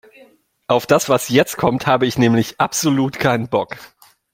Auf das, was jetzt kommt, habe ich nämlich absolut keinen Bock.